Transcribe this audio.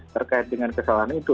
terkait dengan kesalahan itu